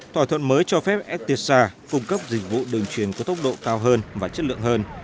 thỏa thuận mới cho phép estisa cung cấp dịch vụ đường truyền có tốc độ cao hơn và chất lượng hơn